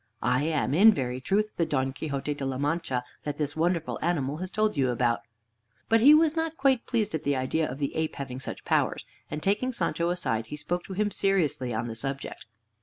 I am in very truth the Don Quixote de la Mancha that this wonderful animal has told you about." But he was not quite pleased at the idea of the ape having such powers, and taking Sancho aside he spoke to him seriously on the subject.